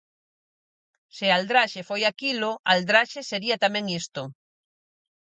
Se 'aldraxe' foi aquilo, 'aldraxe' sería tamén isto.